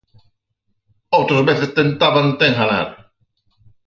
Outras veces tentábante enganar.